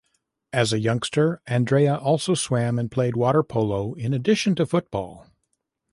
As a youngster, Andrea also swam and played water polo, in addition to football.